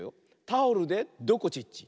タオルでどこちっち。